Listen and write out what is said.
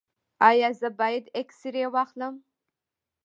ایا زه باید اکسرې واخلم؟